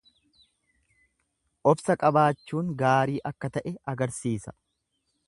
Obsa qabaachuun gaarii akka ta'e agarsiisa.